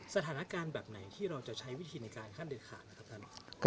สถานการณ์แบบไหนที่เราจะใช้วิธีในการขั้นเด็ดขาดนะครับท่าน